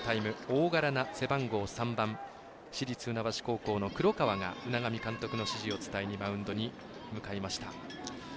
大柄な背番号３番市立船橋高校の黒川が海上監督の指示を伝えにマウンドに向かいました。